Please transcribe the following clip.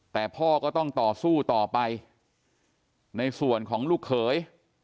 แต่พ่อก็ต้องต่อสู้ต่อไปในส่วนของลูกเขย